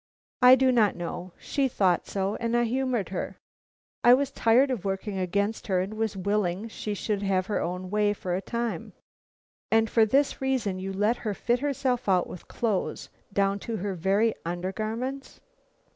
"I do not know. She thought so, and I humored her. I was tired of working against her, and was willing she should have her own way for a time." "And for this reason you let her fit herself out with clothes down to her very undergarments?"